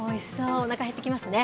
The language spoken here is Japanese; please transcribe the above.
おなか減ってきますね。